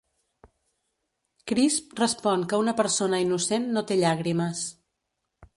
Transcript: Crisp respon que una persona innocent no té llàgrimes.